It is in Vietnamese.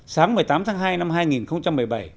sáng một mươi tám tháng hai năm hai nghìn một mươi bảy